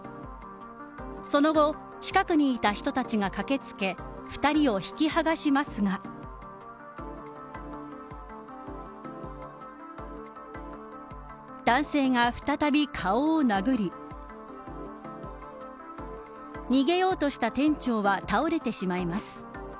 その後近くにいた人たちが駆け付け２人を引き剥がしますが男性が再び顔を殴り逃げようとした店長は倒れてしまいます。